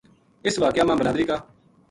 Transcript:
اس واقعہ ما بلادری کا